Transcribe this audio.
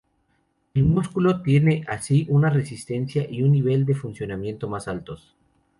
El músculo tiene así una resistencia y un nivel de funcionamiento más altos.